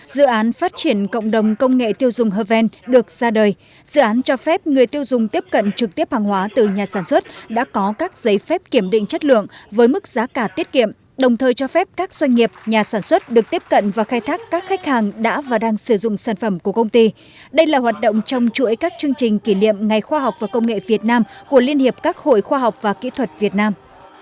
dự án phát triển cộng đồng công nghệ tiêu dùng hvn được ra đời dự án cho phép người tiêu dùng tiếp cận trực tiếp hàng hóa từ nhà sản xuất đã có các giấy phép kiểm định chất lượng với mức giá cả tiết kiệm đồng thời cho phép các doanh nghiệp nhà sản xuất được tiếp cận và khai thác các khách hàng đã và đang sử dụng sản phẩm của công ty đây là hoạt động trong chuỗi các chương trình kỷ niệm ngày khoa học và công nghệ việt nam của liên hiệp các hội khoa học và kỹ thuật việt nam